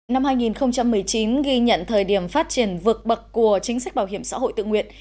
năm hai nghìn một mươi chín ghi nhận thời điểm phát triển vượt bậc của chính sách bảo hiểm xã hội tự nguyện